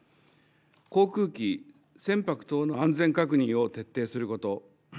航空機、船舶等の安全確認を徹底すること